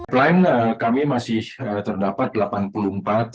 plan kami masih terdapat delapan puluh empat